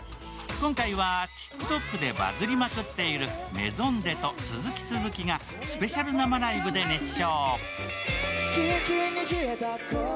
今回はＴｉｋＴｏｋでバズりまくっているＭＡＩＳＯＮｄｅｓと鈴木鈴木がスペシャル生ライブで熱唱。